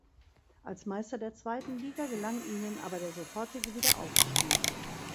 Als Meister der zweiten Liga gelang ihnen aber der sofortige Wiederaufstieg.